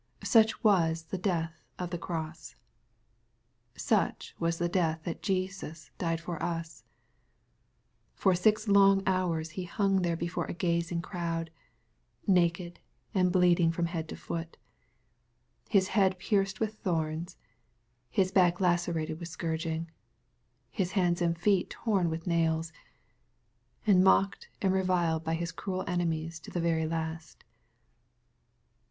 Such was the death of the cross. Such was the death that Jesus died for us ! For six long hours He hung there before a gazing crowd, naked, and bleed ing from head to foot, — His head pierced with thorns,— His back lacerated with scourging, — His hands and feet torn with nails, — and mocked and reviled by His cruel enemies to the very last.